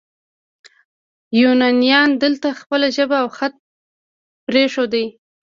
یونانیانو دلته خپله ژبه او خط پریښود